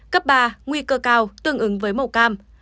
cấp ba nguy cơ cao tương ứng với màu cam